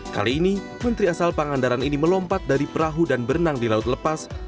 kali ini menteri asal pangandaran ini melompat dari perahu dan berenang di laut lepas